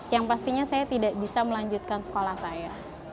yang pastinya saya tidak bisa melanjutkan sekolah saya